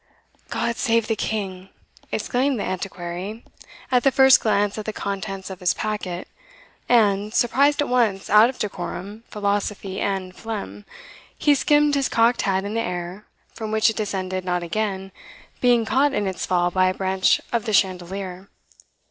"God save the king!" exclaimed the Antiquary at the first glance at the contents of his packet, and, surprised at once out of decorum, philosophy, and phlegm, he skimmed his cocked hat in the air, from which it descended not again, being caught in its fall by a branch of the chandelier.